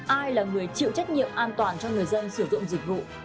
ai là người chịu trách nhiệm an toàn cho người dân sử dụng dịch vụ